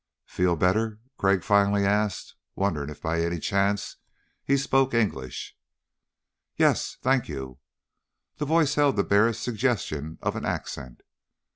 "Feel better?" Crag finally asked, wondering if by any chance he spoke English. "Yes, thank you." The voice held the barest suggestion of an accent.